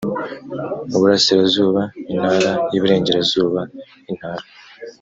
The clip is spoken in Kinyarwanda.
iburasirazuba intara y uburengerazuba intara